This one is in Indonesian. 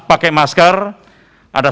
pakai masker ada